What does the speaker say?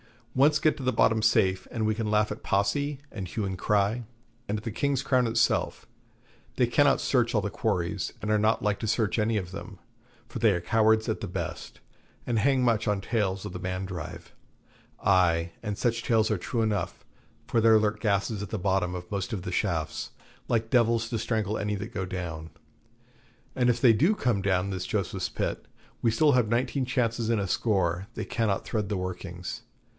Once get to the bottom safe, and we can laugh at Posse, and hue and cry, and at the King's Crown itself. They cannot search all the quarries, and are not like to search any of them, for they are cowards at the best, and hang much on tales of the Mandrive. Ay, and such tales are true enough, for there lurk gases at the bottom of most of the shafts, like devils to strangle any that go down. And if they do come down this Joseph's Pit, we still have nineteen chances in a score they cannot thread the workings.